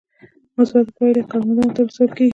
مثبته پایله یې کارمندانو ته رسول کیږي.